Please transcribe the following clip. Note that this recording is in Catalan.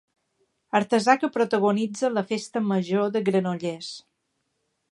Artesà que protagonitza la festa major de Granollers.